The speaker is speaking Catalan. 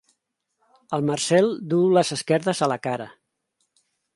El Marcel duu les esquerdes a la cara.